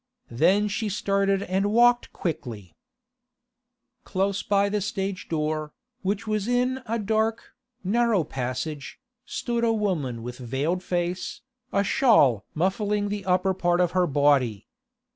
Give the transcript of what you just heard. Then she started and walked quickly.... Close by the stage door, which was in a dark, narrow passage, stood a woman with veiled face, a shawl muffling the upper part of her body.